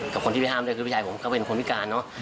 กับคนที่ไปห้ามด้วยคือพี่ชายผมก็เป็นคนพิการเนอะ